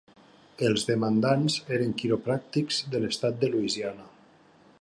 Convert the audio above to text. Els demandants eren quiropràctics de l'estat de Louisiana.